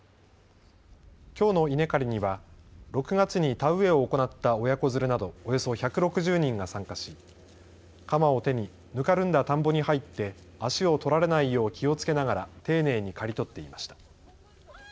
きょうの稲刈りには６月に田植えを行った親子連れなど、およそ１６０人が参加し鎌を手にぬかるんだ田んぼに入って足を取られないよう気をつけながら丁寧に刈り取っていました。